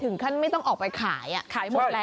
อือนขั้นค่าวไม่ต้องออกไปขายขายหมดแล้ว